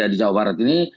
di jawa barat ini